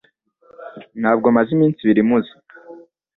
Ntabwo maze iminsi ibiri mpuze